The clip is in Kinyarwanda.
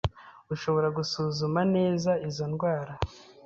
ushobora gusuzuma neza izo ndwara.